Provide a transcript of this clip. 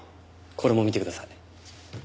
これも見てください。